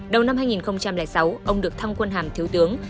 đầu năm hai nghìn sáu ông được thăng quân hàm thiếu tướng